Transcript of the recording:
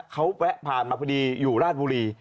เขาแวะผ่านมาพอดีอยู่ราชบุรี